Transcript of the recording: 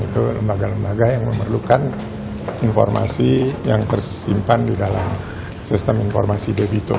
itu lembaga lembaga yang memerlukan informasi yang tersimpan di dalam sistem informasi debito